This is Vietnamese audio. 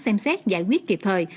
xem xét giải quyết kịp thời